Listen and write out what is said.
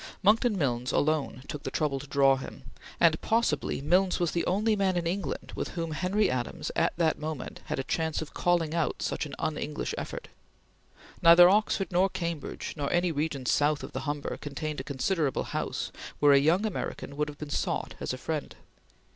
Monckton Milnes alone took the trouble to draw him, and possibly Milnes was the only man in England with whom Henry Adams, at that moment, had a chance of calling out such an un English effort. Neither Oxford nor Cambridge nor any region south of the Humber contained a considerable house where a young American would have been sought as a friend.